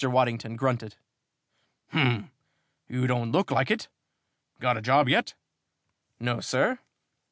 Waddington grunted. "Hm! You don't look like it! Got a job yet?" "No, sir."